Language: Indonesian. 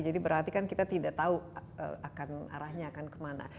jadi berarti kan kita tidak tahu akan arahnya akan kemana